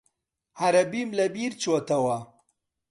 عەرەبیم لەبیر چۆتەوە.